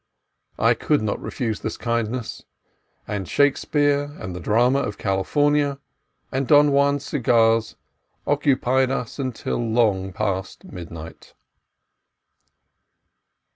I could not refuse this kindness, and Shakespeare and the drama of California, with Don Juan's cigars, occupied us until long past midnight.